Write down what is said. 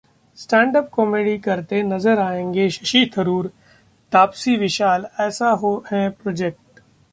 stand up comedy करते नजर आएंगे शशि थरूर, तापसी-विशाल, ऐसा है प्रोजेक्ट